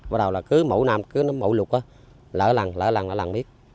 bắt đầu là cứ mỗi năm cứ mỗi lụt á lỡ lằn lỡ lằn lỡ lằn biết